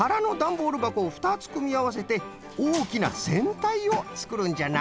ボールばこを２つくみあわせておおきなせんたいをつくるんじゃな。